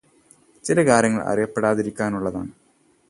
ചില കാര്യങ്ങള് അറിയപ്പെടാതിരിക്കാനുള്ളതാണ്